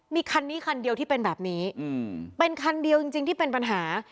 มีคันนี้คันเดียวที่เป็นแบบนี้เป็นคันเดียวจริงที่เป็นปัญหา